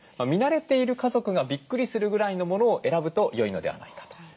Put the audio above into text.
見慣れている家族がびっくりするぐらいのものを選ぶと良いのではないかと。